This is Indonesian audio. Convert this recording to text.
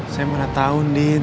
saya mana tau ndin